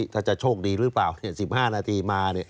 ถ้าจะโชคดีหรือเปล่า๑๕นาทีมา